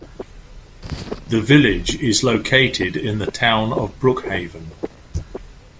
The village is located in the town of Brookhaven.